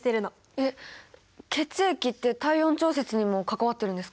えっ血液って体温調節にも関わってるんですか？